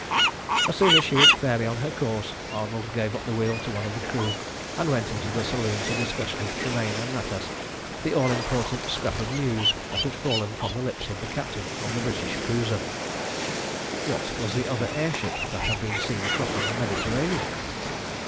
As soon as she was fairly on her course, Arnold gave up the wheel to one of the crew, and went into the saloon to discuss with Tremayne and Natas the all important scrap of news that had fallen from the lips of the captain of the British cruiser. What was the other air ship that had been seen crossing the Mediterranean?